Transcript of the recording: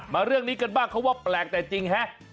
เรื่องนี้กันบ้างเขาว่าแปลกแต่จริงฮะ